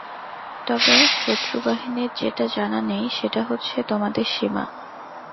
তবে শত্রুবাহিনীর যেটা জানা নেই সেটা হচ্ছে তোমাদের সীমা।